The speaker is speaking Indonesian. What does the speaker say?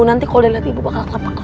nanti kalau dalihat ibu bakal nge pakan